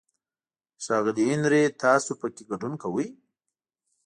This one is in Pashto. ښاغلی هنري، تاسو پکې ګډون کوئ؟